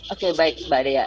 oke baik mbak dea